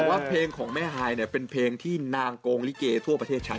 แต่ว่าเพลงของแม่ฮายเนี่ยเป็นเพลงที่นางโกงลิเกทั่วประเทศใช้